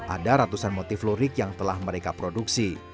ada ratusan motif lurik yang telah mereka produksi